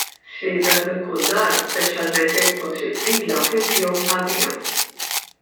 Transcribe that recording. Sriedak minn kull dar speċjalment jekk tkun triq twila, kien fihom tagħbija.